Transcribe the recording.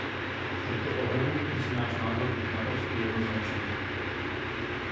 V tomto ohledu musí náš názor být naprosto jednoznačný.